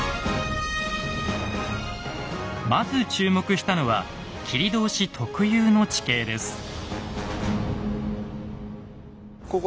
まず注目したのは切通特有の地形です。